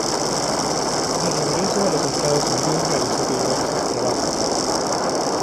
De regreso a los Estados Unidos realizó diversos trabajos.